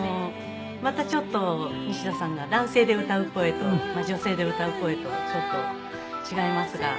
またちょっと西田さんが男性で歌う声と女性で歌う声とちょっと違いますが。